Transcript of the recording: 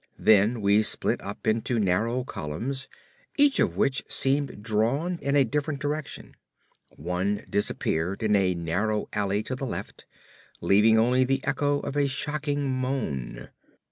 Then we split up into narrow columns, each of which seemed drawn in a different direction. One disappeared in a narrow alley to the left, leaving only the echo of a shocking moan.